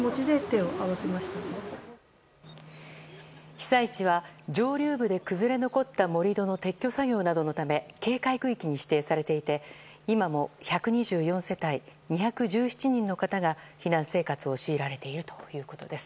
被災地は、上流部で崩れ残った盛り土の撤去作業などのため警戒区域に指定されていて今も１２４世帯２１７人の方が避難生活を強いられているということです。